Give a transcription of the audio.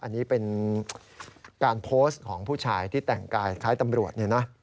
อันนี้เป็นการโพสต์ของผู้ชายที่แต่งกายคล้ายตำรวจ